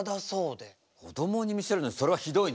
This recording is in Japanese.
こどもに見せるのにそれはひどいね。